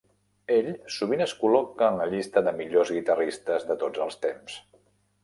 Ell sovint es col·loca en la llista de millors guitarristes de tots els temps.